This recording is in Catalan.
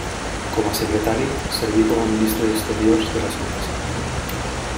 Com a Secretari, serví com a ministre d'exteriors de la Santa Seu.